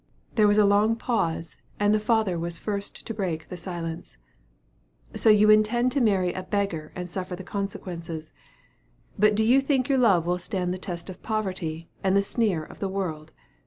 There was a long pause, and the father was first to break silence. "So you intend to marry a beggar, and suffer the consequences. But do you think your love will stand the test of poverty, and the sneer of the world?